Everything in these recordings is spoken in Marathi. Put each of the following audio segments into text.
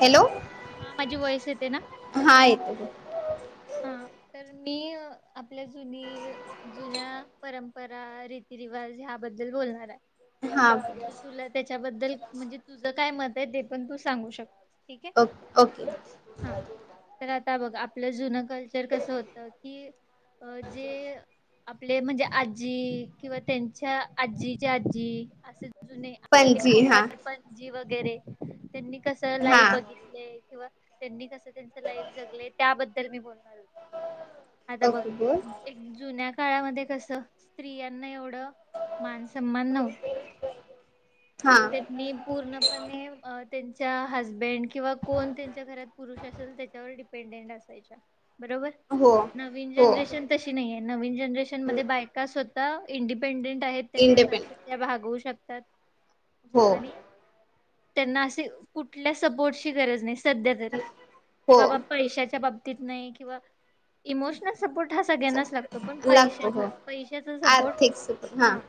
हॅलो हा माझी वॉइस येते ना हा येतोय बोल हा तर मी आपल्या जुनी जुन्या परंपरा रीती रिवाज ह्याबद्दल बोलणाराय हा तर तुला त्याच्याबद्दल म्हणजे तुझं काय मत ते पण तू सांगू शक ओ ओके तर आता बघ आपल्या जुनं कल्चर कसं होत की अ जे आपले म्हणजे आज्जी किंवा त्यांच्या आज्जीच्या आज्जी अस जुने आपले पणजी हा खापर पणजी वग वगैरे त्यांनी कसं हा लाईव बघितलय किंवा त्यांनी कसं त्यांच लाईफ जगले त्याबद् तर मी बोल आता बघ ओके बोल एक जुन्या काळामध्ये कसं स्त्रियांना एवढं मानसम्मान न्हव हा चटनी पूर्णपणे अ त्यांच्या हसबेंड किंवा कोण त्यांच्या घरात पुरुष असेल त्याच्यावर डिपेंडेंट असायच्या बरोबर हो नवीन हो जनरेशन तशी नाईए नवीन जनरेशन मध्ये बायका स्व आता इंडिपेंडेंट कस हायं त्यांचा इंडिपेंड खर्च त्या भागवू शक त्यात हो आणि त्यांना असे कुठल्या सपोर्टची गरज नस सध्या तरी कि हो बाबा पैशाच्या बाब देत नाही किंवा इमोशनल सपोर्ट हा सगळ्यांनाच लागतो पण लागतो पैशाचा हो पैशाचा सपोर्ट आर्थिक सुख हा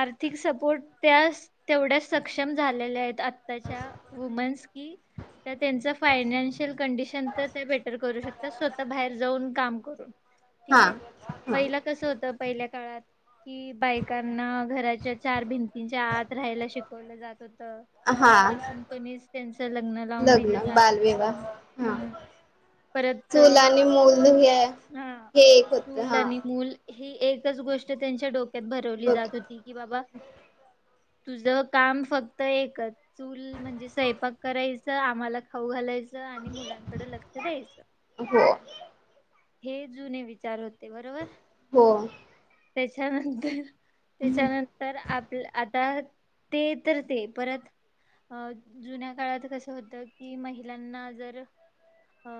आर्थिक सपोर्ट त्यास तेवढ्याच सक्षम झालेल्या आहेत आताच्या वुमन्स की त्या त्यांच फायनान्शियल कंडिशन तर ते बेटर करू शकतात स्वतः बाहेर जाऊन काम [inaudible] ठीक हा ये हा पहिल कसं होतं पहिल्या काळात कि बायकांना घराच्या चार भिती च्या आत ला शिकवलं जात होतं हा लहानपणीच त्यांचं लग्न लावून दिलं लग्न जात होत बालविवाह हा हम् परत हा ते होतं चूल हा आणि मूल ही एकच गोष्ट त्यांच्या डो क्यात भरवली जात ओके होती की बाबा तुझ काम फक्त एकच चूल म्हणजे स्वयंपाक करायचं आम्हाला खाऊ घालायचं आणि मुलांकडे लक्ष द्यायचं हो हे जुने विचार होत बरोबर. हो त्याच्यानंतर त्याच्यानंतर आपल आप तर ते तर ते परत अ जुन्या काळात कसं होतं की महिलांना जर अ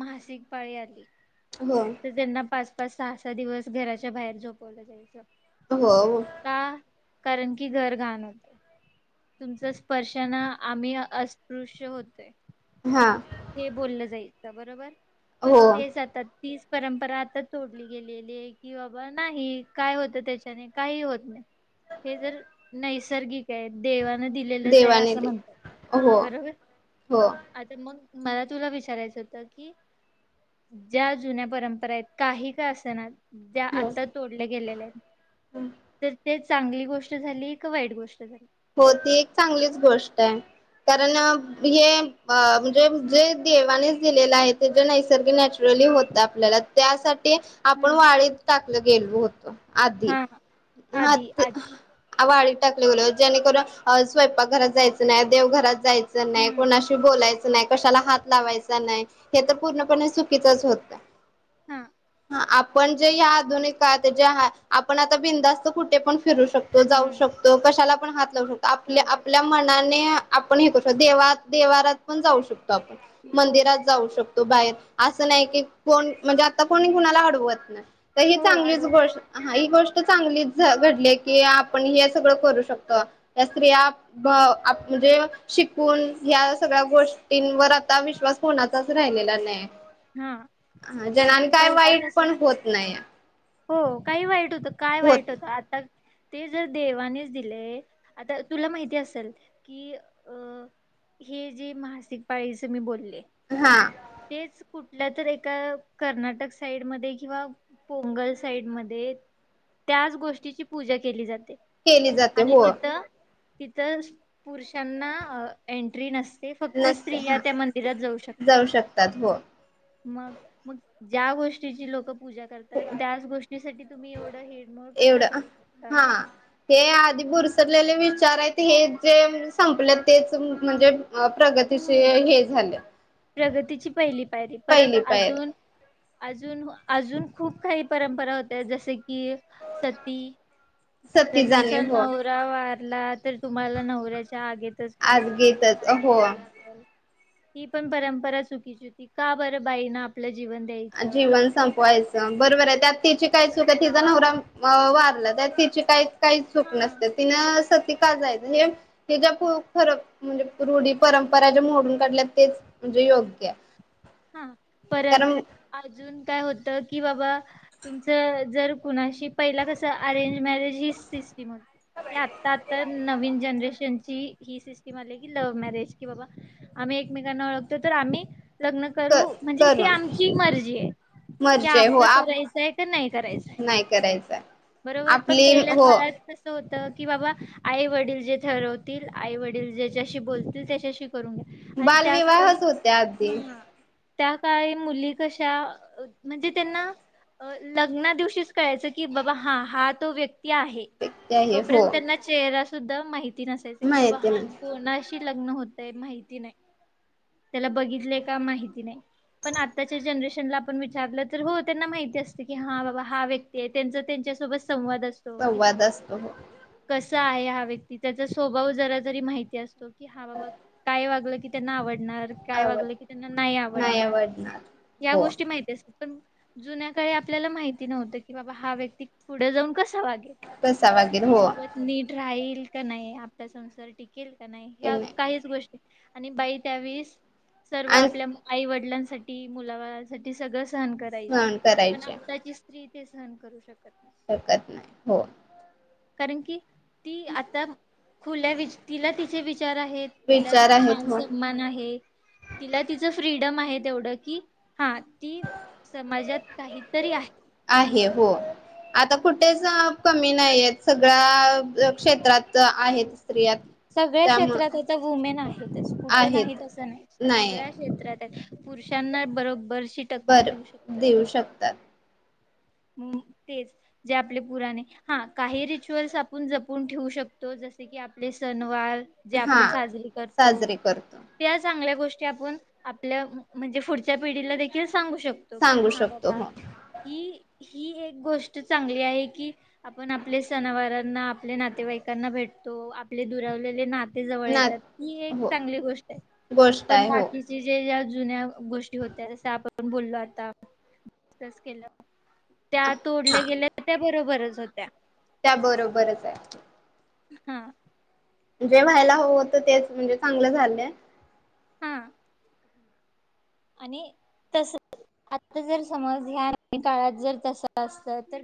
मासिक पाळी आली हो ते त्याना पाच सहा सहा दिवस घराच्या बाहेर झोपवलं जायचं हो का कारण की घर घाण होते. तुमच्या स्पर्शनं आम्ही अस्पृश्य होतोय. हा हे बोललं जाईल. बरोबर पण हो तेच आता तीच परंपरा आता तोडली गेलेली आहे की बाबा नाही काय होत त्याच्याने काही होत नाही हे जर नैसर्गिक आहे. देवा दिलेलंच आहे देवाने असं दे म्हणतात हो हो बरोबर हो आजुन मग मला तुला विचारायचं होत की ज्या जुन्या परंपरा आहेत काही का असे ना. त्या आता तोडल्या गेलेल्या आहेत तर तेच चांगली गोष्ट झाली का वाईट गोष्ट झाली. हो ती एक चांगलीच गोष्ट आहे कारण हे म्हणजे जे देवानेच दिलेलं आहे ते ज नैसर्गिक [unintelligible] आपल्याला त्यासाठी आपण हम्म वाळीत टाकलं गेलो होतो. [unintelligible] आदी हा आधी मत आधी वाळीत टाकलेलोत. जेणेकरून स्वयंपाकघरात जायचं नाही देवघरात जायचं नाही हम्म कोणाशी बोलायचं नाही. कशाला हात लावायचा नाही हे तर पूर्णपणे चुकीचच होतं. हा आपण जे ह आधुनिक काळात जे आपण आता बिंदास्त कुठे पण फिरू शकतो जाऊ हम्म शकतो कशाला पण आत आपल्या लावू शकतो आपल्या मनाने आपण हे करू शको देवात देवारात पण जाऊ शकतो. आपण हो मंदिरात जाऊ शकतो. तो बाहेर असं नाही की कोण म्हणजे आता कोणी कुणाला आडवत नाही. तर ही हो चांगलीच आडव गोष्ट हा ही गोष्ट. चांगली घडली की आपण हे सगळं करू शकतो. या स्त्रिया म्हणजे शिकून या् सगळ्या गोष्टींवर आता विश्वास कोणाचाच राहिलेला नाही. हा ह जण आणि काय पहिला वाईट कस पण होत नाही. हो काही वाईट होत काय वाईट होत होतं आता ते जर देवानेच दिले, आता तुला माहिती असेल की अ हे जे मासिक पाळीच मी बोलले हा तेच कुठल्या तर एका कर्नाटक साईड मध्ये किंवा पोंगल साइड मध्ये त्याच गोष्टीची पूजा केली जात केली जाते हो तिथ पुरुषांना एंट्री नसते फक्त नक्ते स्त्रिया हा त्या मंदिरात शकतात जाऊ शकतात हो मग मग ज्या गोष्टीची लोक पूजा करतात. त्याच गोष्टीसाठी तुम्ही एवढा हेिरमोड कसा एवढं करू शकता हा हे आधी बुरसटलेले विचार आहेत हे जे संपले तेच म्हणजे अ प्रगतीचे हम्म. हे झाले प्रगतीची पहिली पायरी परत अजून पायरी अजून अजून खूप काही परंपरा होत्या जसे क कि सती जर सती जाणे तुमचा हो नवरा व ला तर तुम्हाला नवऱ्याच्या आगेतच आज तुम्हाला पण गीतच घहान घ्यायला हो लागेल ह पण परंपरा चुकीची होती का बरं बाई न आपल्या जीवन संपवायचं बरोबर आहे त्यात तिची काय चूक आहे तिचा नवरा वारला तर तिची काय काही चूक हा नसते तिन ते का जायच हे ह्याचा फरक म्हणजे रूढी परंपरा ज्या मोडून काढल्या तेच म्हणजे योग्य हा परत कारण अजून काय होत? की बाबा तुमच जर कुणाशी पहिला कसा अरेंज मॅरेज हे सिस्टम होती ती आत्ता आत्ता नवीन जनरेशन ही ही सिस्टीम आली की लव्ह मॅरेज की बाबा आम्ही एकमेकांना ओळखतो तर आम्ही लग्न क करू म्हणजे त करून आमची मर्जी आहे की मर्जे हो आम्हाला आप करायचंय का नाही करायचंय नाही करायचा बरोबर पण आपली पहिल्या हो काळात कस होत की बाबा आई वडील जे ठरवतील आई वडील ज्याच्याशी बोलतील त्याच्याशी करून घ्या आणि त्या बालविवाहच होते आधी ह त्या काळी मुली कशा म्हणजे त्यांना लग्ना दिवशीच कळायचं की बाबा हा हा तो व्यक् आहे हे हो तोपर्यंत त्यांना चेहरा सुद्धा माहिती माहिती नसायचं की बाबा माहिती हा नाही कोणाशी लग्न होतय माहिती नाही त्याला बघितलं का? माहिती तिने पण आताचे जनरेश त्यांना आपण विचारलं तर हो त्यांना माहिती असत की हा बाबा हा व्यक्ती आहे त्यांच त्यांच्यासोबत संवाद असतो की हा संवाद बाबा असतो हो कस त आहे हा व्यक्ती त्याचा स्वभाव जरा जरी माहिती असतो. की हा बाबा काय वागलं की त्यांना आवड णार काय आवड वागलं की त्यांना नाही आव आवडणार या हो गोष्टी माहिती अस पण जुन्या काळी आपल्याला माहिती नव्हतं की बाबा हा व्यक्ती पुढे जाऊन कस कसा वगैरे हो आपल्यासोबत नीट राहील ईल का नाही आपला संसार टी किल का नाही या काहीच गोष् आणि बाई त्यावेळीस सर्व आणि आपल्या वडलांसाठी मुलाबाळांसाठी सगळच सहन करायची सहन पण करायचे आत्ताची स्त्री ते सहन करू शकत शकत नाही हो कारण की, ती आता खुल्या विच तिला तिचे वि विचार आहे तिला विचार तिचा आहेत मान हो सन्मान आहे तिला ति फ्रीडम आहे तेवढं की, हा ती समाजात काहीतरी आहे. आहे हो आता कुठेच कमी नाही आहेत सगळा क्षेत्रात आहेत स्त्रिया सगळ्या त्यामु क्षेत्रात आता वुमेन आहेतच कुट आहेत नाहीत अस नाही नाही सगळ्या क्षेत्रात पुरषांना बरोबर बर देऊ शकतात. तेच जे आपले पुराणे हा काही रिच्युअल्स आपण जपून ठेवू शकतो जसे की आपले सण वार जे हा आपण साजरी करतो साजरे करतो त्या चांगल्या गोष् आपुन आपल्या म्हणजे पुढच्या पिढीला देखील सांगू शकतो की सांगू हा शकतो बाबा हो की, ही एक गोष्ट चांगली आहे की आपण आपले सणावारांना आपले नातेवाईकांना भेटतो आपले दुरावलेले नात ते जवळ ना येतात ही एक हो चांगली गोष्ट आहे गोष्ट पण आहे हो बाकीची जे जुन्या गोष्टी होत्या जस आपण बोललो आता डिस्कस केलं त्यात ओडले गेले बरोबरच होत्या त्या बरोबरच हाय. हा जे व्हायला हव होत तेच म्हणजे चांगलं झालंय हा आणि तस आता जर समज ह्या काळात जर तस असत तर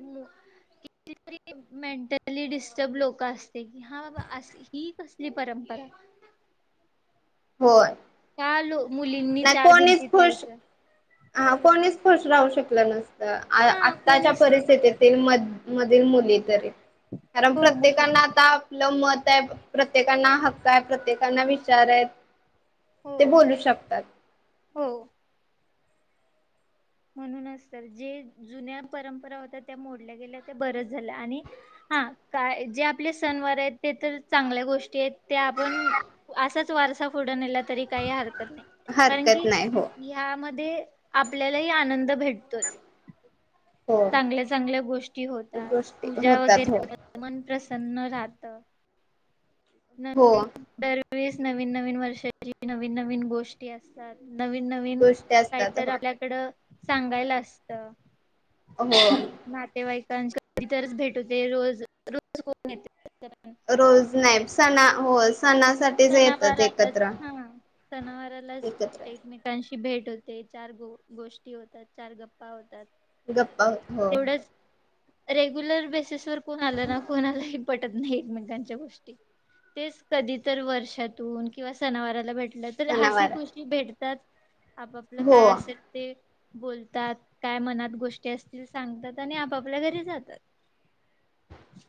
कितीतरी मेंटली डिस्टर्ब लोक असते कि हा बाबा अस हि कसली परंपरा होय आलो मुलींनी नाही चार कोणीच भिंतीत खुश राहायचं हा कोणीच खुश राहू शकलं नस अ आ हा आत्ताच्या कोणीच नाही परिस्थितीतील म मधील मुली तरी कारण हो मुली प्रत्येकांना आता आपलं मत त्यात प्रत्येकांना हक्क आहे, प्रत्येकांना विचार आहेत. हो ते बोलू शकतात. हो म्हणूनच तर जे जुन्या परंपरा होत्या त्या मोडल्या गेल्या ते बरच झाल्या आणि हा काय जे आपले सणवार आहेत ते तर चांगल्या गोष्टी आहेत, त्या आपण आसच वारसा फुढं नेला तरी काही हरकत नाही कारण हरकत की नाही हो याम दे आपल्या तही आनंद भेटतोच हो चांगल्या चांगल्या गोष्टी होतात, गोष्टी पूजा वगैरे होतात हो होतात मन प्रस सन्न राहत. हो [unintelligible] वीस नवीन नवीन वर्षाची नवीन नवीन गोष्टी असतात. नवीन नवीन गोष्टी काही असतात तर हो आपल्याकडं सांगायला अस त अ हो. नातेवाईकांच कधी तरच भेट होते रोज रोज होत नाई [unintelligible] रोज नाई सणा हो स सणावारालाच हा सणावारालाच एकत्र एकमेकांशी की भेट होते, चार गो गोष्टी होतात, चार गप्पा होतात. गप्पा हो तेवढंच रेग्युलर बेसिस तर कोण आलं ना कोण आलाय पटत नाही एकमेकांच्या गोष्टी तेच कधी तर वर्षातून किंवा सनावाराला भेट तरी हसी सणावार खुशी भेटतात. आपापलं हो काय असेल ते बोलतात काय मनात गोष्टी असतील सांगतात आणि आपापल्या घरी जातात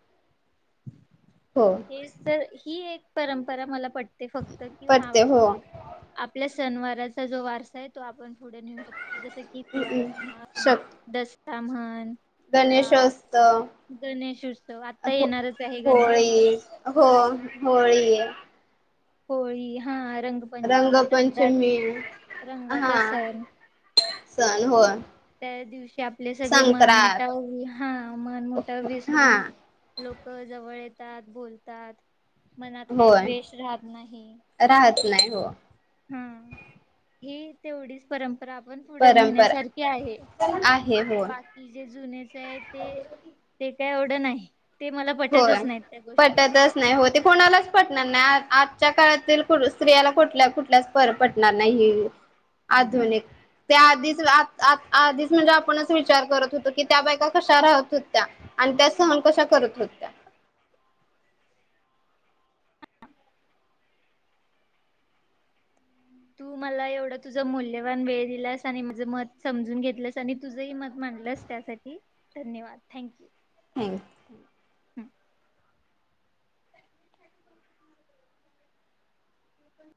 हो हेच तर इ ही एक परंपरा मला पट ते फक्त की हा पडते बाबा हो आपल्यास सणवाराचा जो वारसाय तो आपण थोड निऊ शकतो जस की दिवाळी म्हण शक दस ताम्हण किंवा गणेशोत्सव गणेश उत्सव आता हो येणार होळी हो. होळी होळी हा रंगपंचमी रंगाच रंगपंचमी हा रंगाचा सण सण. त्या दिवशी आपले सगळे मन मोठा संक्रांत होऊ हा मन मोठा हा विसरून लोक ज जवळ येतात बोलतात मनात काही होय द्वेष राहत नाही राहत नाही हो हा ही तेवढीच परं परा आपण पुढ परंपरा नेण्यासारखी आहे, आहे हो बाकी जे जुने जे आहे ते ते का एवढं नाही ते मला होय पटतच नाहीत त्या गोष्टी पटतच नाय हो ते कोणालाच पटणार नाय आजच्या काळातील पुरु स्त्रियाला कुठल्या कुठल्याच पर पटणार नाही हम्म आधुनिक त्या आधीच लात आत आधीच म्हणजे आपणच विचार करत होतो न कि त्या बायका कश्या राहत होत्या आणि त्या सहन कशा करत होत तू मला एवढ तुझ मूल्यवान वेळ दिलास आणि माझं मत समजून घेतलंस आणि तुझही मत मांडलस, त्यासाठी धन्यवाद, थँक्यू. थँक हं